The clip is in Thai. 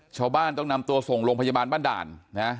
ชาวบ้านต้องนำตัวส่งโรงพยาบาลบ้านด่านนะ